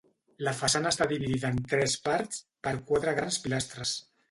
La façana està dividida en tres parts per quatre grans pilastres.